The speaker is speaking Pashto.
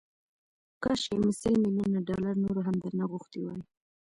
کاشکي مې سل ميليونه ډالر نور هم درنه غوښتي وای